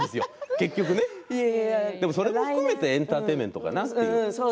結局でもそれも含めてエンターテインメントかな。